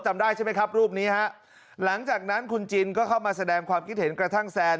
จำได้ใช่ไหมครับรูปนี้ฮะหลังจากนั้นคุณจินก็เข้ามาแสดงความคิดเห็นกระทั่งแซน